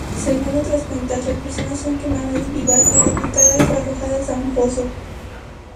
Según otras cuentas, las personas son quemadas vivas, decapitadas o arrojadas a un pozo.